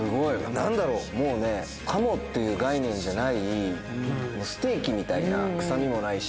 なんだろう、もうね、カモっていう概念じゃない、もうステーキみたいな、臭みもないし。